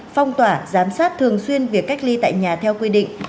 phong tỏa giám sát thường xuyên việc cách ly tại nhà theo quy định